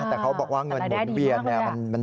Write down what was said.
แต่เขาบอกว่าเงินหมดเบียนมันเยอะมาก